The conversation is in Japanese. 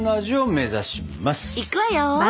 いくわよ！